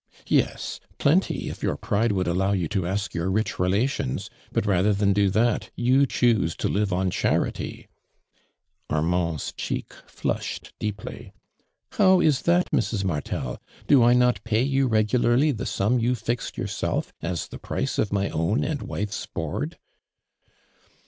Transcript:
'• Yes, plenty if your pride woidd allow you to ask your rich relations. But mther than do that, you choose to live on charity." Armand's cheek flushed deeply. " How is that, Mrs. Martel? Do I not pay you regularly the sum you fixed yourself as the price of my own and wife's board